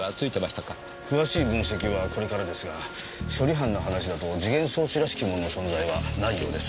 詳しい分析はこれからですが処理班の話だと時限装置らしきものの存在はないようです。